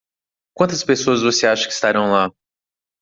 Quantas pessoas você acha que estarão lá?